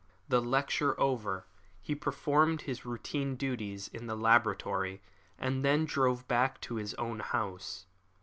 The lecture over, he performed his routine duties in the laboratory, and then drove back to his own house.